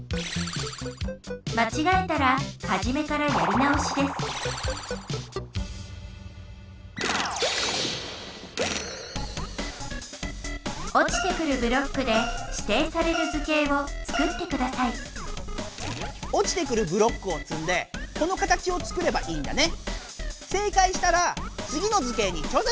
まちがえたらはじめからやり直しですおちてくるブロックでしていされた図形をつくってくださいおちてくるブロックをつんでこの形をつくればいいんだね。